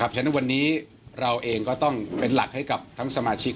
ฉะนั้นวันนี้เราเองก็ต้องเป็นหลักให้กับทั้งสมาชิก